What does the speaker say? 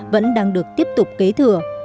vẫn đang được tiếp tục kế thừa